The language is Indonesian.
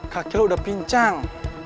kaki lo udah pincang